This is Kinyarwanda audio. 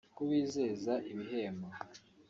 kubizeza ibihembo